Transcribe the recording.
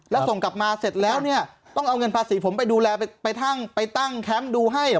แล้วส่งกลับมาเสร็จแล้วเนี่ยต้องเอาเงินภาษีผมไปดูแลไปตั้งแคมป์ดูให้เหรอ